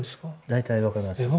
大体分かりますよ。